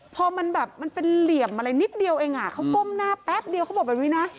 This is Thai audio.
พอมันแบบมันเป็นเหลี่ยมอะไรนิดเดียวเองเขาก้มหน้าแป๊บเดียวเขาบอกแบบนี้นะ